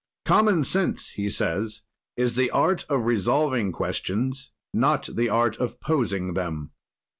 "Common sense," he says, "is the art of resolving questions, not the art of posing them.